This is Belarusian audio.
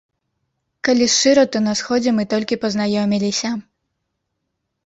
Калі шчыра, то на сходзе мы толькі пазнаёміліся.